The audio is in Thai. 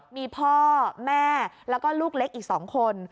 มีพ่อแม่แล้วก็ลูกเล็กอีก๒คน